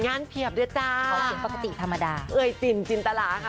งานเพียบด้วยจ้ะเขาเขียนปกติธรรมดาเอ๋ยจินจินตาราค่ะ